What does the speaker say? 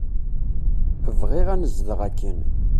Bɣiɣ anezdeɣ akken.